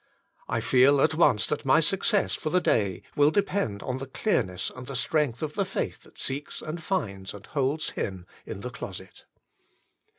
I feel at once that my success for the day will depend upon 12 The Inner Chamber the clearness and the strength of the faith that seeks and finds and holds Him in the closet.